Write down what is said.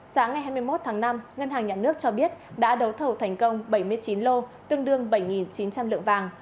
sáng ngày hai mươi một tháng năm ngân hàng nhà nước cho biết đã đấu thầu thành công bảy mươi chín lô tương đương bảy chín trăm linh lượng vàng